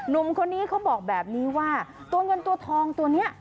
หนุ่มคนนี้เขาบอกแบบนี้ว่าตัวเงินตัวทองตัวนี้